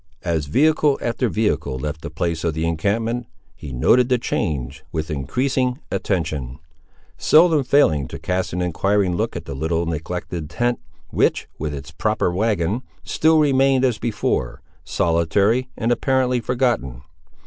As vehicle after vehicle left the place of the encampment, he noted the change, with increasing attention; seldom failing to cast an enquiring look at the little neglected tent, which, with its proper wagon, still remained as before, solitary and apparently forgotten.